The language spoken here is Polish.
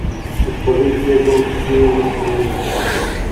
"Odpowiedzi jego utkwiły mi w pamięci."